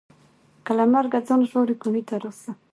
که له مرګه ځان ژغورې کوهي ته راسه